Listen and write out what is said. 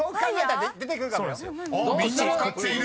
［みんな分かっている。